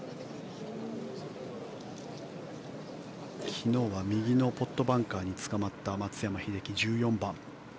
昨日は右のポットバンカーにつかまった松山英樹、１４番。